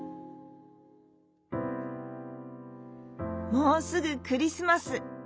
もうすぐクリスマス。